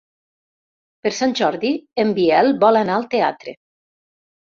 Per Sant Jordi en Biel vol anar al teatre.